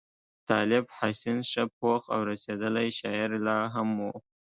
طالب حسین ښه پوخ او رسېدلی شاعر لا هم وو.